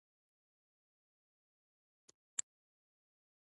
وچ وېښتيان نرمښت ته اړتیا لري.